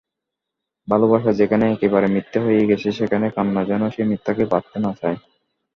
ভালোবাসা যেখানে একেবারে মিথ্যা হয়ে গেছে সেখানে কান্না যেন সেই মিথ্যাকে বাঁধতে না চায়।